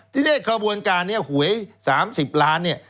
ที่เรียกกระบวนการเนี่ยหวย๓๐ล้านเนี่ย